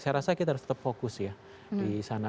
saya rasa kita harus tetap fokus ya di sana